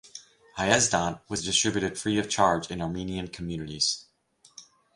"Hayasdan" was distributed free of charge in Armenian communities.